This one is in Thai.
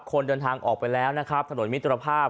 คนเดินทางออกไปแล้วนะครับถนนมิตรภาพ